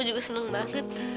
aku juga seneng banget